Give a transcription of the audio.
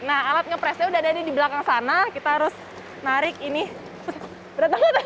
nah alat ngepresnya sudah ada di belakang sana kita harus narik ini berat banget ini